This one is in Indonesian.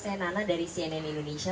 pak senana dari cnn indonesia